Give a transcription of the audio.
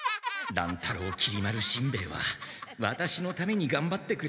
乱太郎きり丸しんべヱはワタシのためにがんばってくれたんだ。